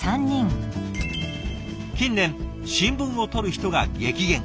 近年新聞を取る人が激減。